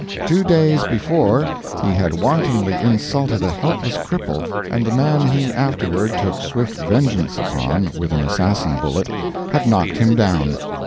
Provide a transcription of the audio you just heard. Two days before, he had wantonly insulted a helpless cripple, and the man he afterward took swift vengeance upon with an assassin bullet had knocked him down.